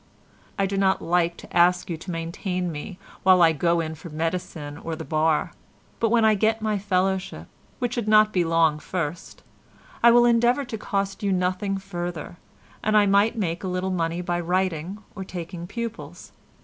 I do not like to ask you to maintain me while I go in for medicine or the bar; but when I get my fellowship, which should not be long first, I will endeavour to cost you nothing further, and I might make a little money by writing or taking pupils.